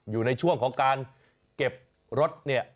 อยู่ในช่วงของการเก็บรถเนี่ย